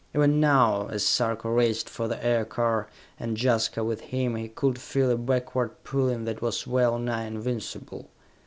Even now, as Sarka raced for the aircar, and Jaska with him, he could feel a backward pulling that was well nigh invincible.